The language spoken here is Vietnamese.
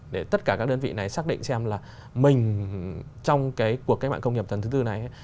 để tất cả các đơn vị này xác định xem là mình trong cái cuộc cách mạng công nghiệp lần thứ tư này